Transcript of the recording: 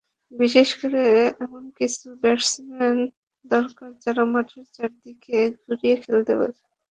বিশেষ করে এমন কিছু ব্যাটসম্যান দরকার, যারা মাঠের চারদিকে ঘুরিয়ে খেলতে পারে।